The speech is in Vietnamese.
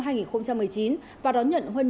và đón nhận huân truyền thống